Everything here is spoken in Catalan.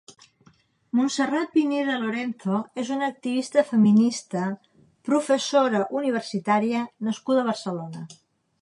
Montserrat Pineda Lorenzo és una activista feminista Professora universitària nascuda a Barcelona.